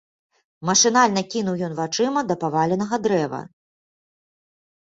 Машынальна кінуў ён вачыма да паваленага дрэва.